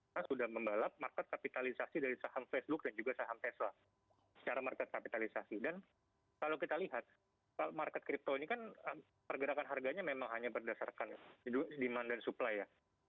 kita sudah membalap market kapitalisasi dari saham facebook dan juga saham tesla secara market kapitalisasi dan kalau kita lihat market crypto ini kan pergerakan harganya memang hanya berdasarkan demand dan supply ya